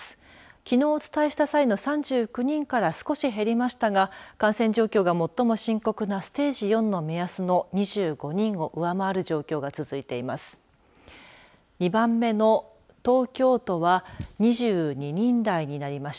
きのうお伝えした際の３９人から少し減りましたが感染状況が最も深刻なステージ４の目安の２５人を上回る状況が続いています。